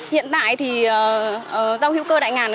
hiện tại thì rau hữu cơ đại ngàn